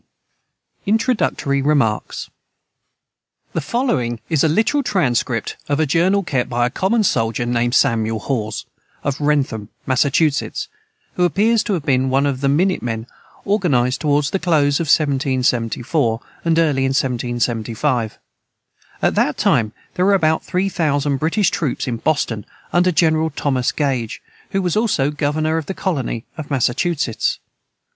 D. INTRODUCTORY REMARKS. The following is a literal transcript of a Journal kept by a common soldier named SAMUEL HAWS, of Wrentham, Massachusetts, who appears to have been one of the minute men, organized toward the close of 1774 and early in 1775. At that time there were about three thousand British troops in Boston, under General Thomas Gage, who was also governor of the colony of Massachusetts.